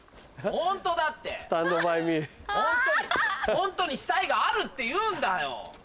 ホントにホントに死体があるっていうんだよ！